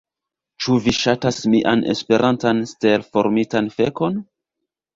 Ĉu vi ŝatas mian Esperantan stelformitan fekon?